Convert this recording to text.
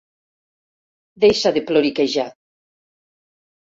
Deixa de ploriquejar!